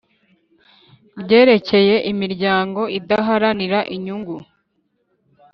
Ryerekeye imiryango idaharanira inyungu \